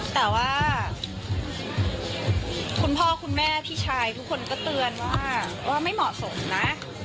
แต่ว่าคุณพ่อคุณแม่พี่ชายทุกคนก็เตือนว่าไม่เหมาะสมนะ